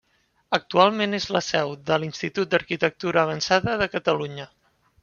Actualment és la seu de l'Institut d'arquitectura avançada de Catalunya.